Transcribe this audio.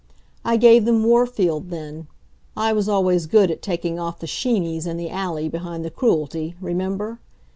I gave them Warfield, then; I was always good at taking off the sheenies in the alley behind the Cruelty remember?